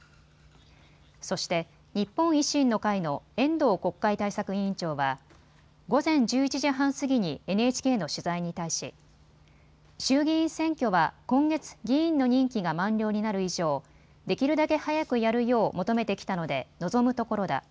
そして日本維新の会の遠藤国会対策委員長は午前１１時半過ぎにＮＨＫの取材に対し、衆議院選挙は今月、議員の任期が満了になる以上、できるだけ早くやるよう求めてきたので望むところだ。